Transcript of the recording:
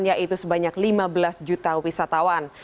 yaitu sebanyak lima belas juta wisatawan